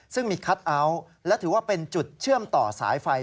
ซึ่งมีคัทเอาท์และถือว่าเป็นจุดเชื่อมต่อสายไฟ